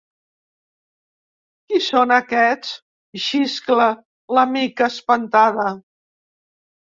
Qui són aquests? —xiscla la Mica, espantada.